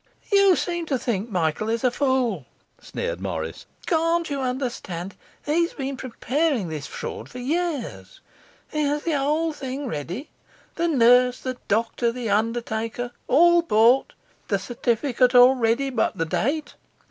'You seem to think Michael is a fool,' sneered Morris. 'Can't you understand he's been preparing this fraud for years? He has the whole thing ready: the nurse, the doctor, the undertaker, all bought, the certificate all ready but the date!